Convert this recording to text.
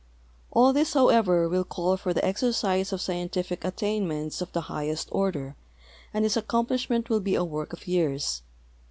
All this, however, will call for the exercise of scientific attain ments of the highest order, and its accomplishment will be a work of years.